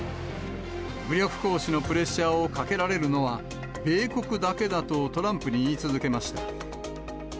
武力行使のプレッシャーをかけられるのは、米国だけだとトランプに言い続けました。